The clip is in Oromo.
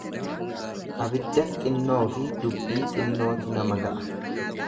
Abidda xinnoofi dubbii xinnootu nama ga'a.